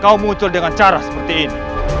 kau muncul dengan cara seperti ini